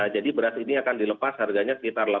jadi beras ini akan dilepas harganya sekitar delapan tiga ratus